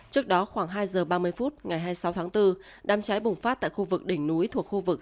trước đó khoảng hai giờ ba mươi phút ngày hai mươi sáu tháng bốn đám cháy bùng phát tại khu vực đỉnh núi thuộc khu vực